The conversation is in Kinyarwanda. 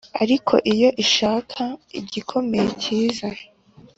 ariko iyo ishaka igikomeye kiza